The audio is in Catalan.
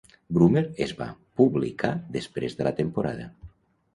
Brummer es va publicar després de la temporada.